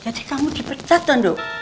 jadi kamu dipecat tondo